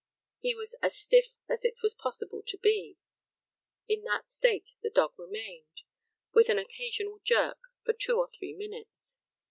He was as stiff as it was possible to be. In that state the dog remained, with an occasional jerk, for two or three minutes.